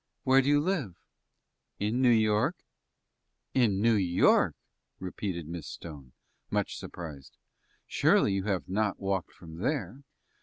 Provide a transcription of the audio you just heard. Where do you live?" "In New York." "In New York!" repeated Miss Stone, much surprised. "Surely, you have not walked from there?"